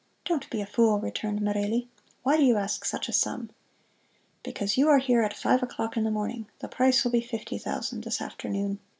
"Don't be a fool," returned Merelli "why do you ask such a sum!" "Because you are here at five o'clock in the morning the price will be fifty thousand this afternoon."